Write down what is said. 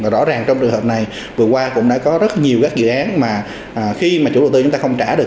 rõ ràng trong trường hợp này vừa qua cũng đã có rất nhiều các dự án mà khi mà chủ đầu tư chúng ta không trả được